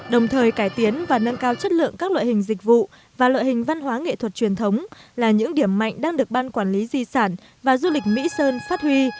đồng thời cải tiến và nâng cao chất lượng các loại hình dịch vụ và loại hình văn hóa nghệ thuật truyền thống là những điểm mạnh đang được ban quản lý di sản và du lịch mỹ sơn phát huy